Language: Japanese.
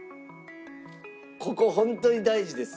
ここホントに大事です。